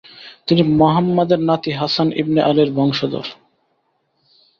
তিনি মুহাম্মাদের নাতি হাসান ইবনে আলির বংশধর।